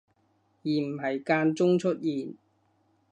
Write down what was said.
而唔係間中出現